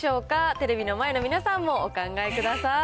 テレビの前の皆さんもお考えください。